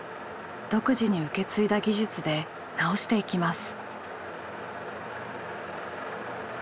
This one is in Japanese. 独自に受け継いだ技術で直していきます。